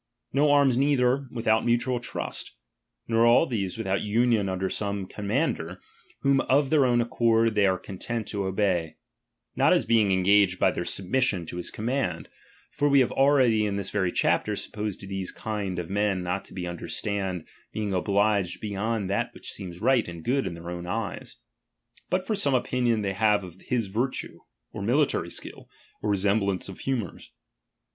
Nor arms neither, without mutual trust. Nor all these, without union under some comman der, whom of their own accord they are content to obey ; not as being engaged by their submission to his command; (for we have already in this very cslapter, supposed these kind of men not to under stand being obliged beyond that which seems right aa, Tid good in their own eyes) ; but for some opinion fciey have of his virtue, or military skill, or resem X»]auce of humours.